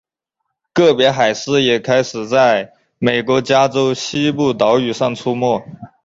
个别海狮也开始在美国加州西部岛屿上出没。